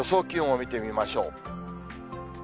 気温を見てみましょう。